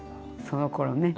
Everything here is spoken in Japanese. そのころね。